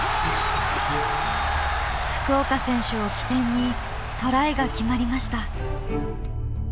福岡選手を起点にトライが決まりました。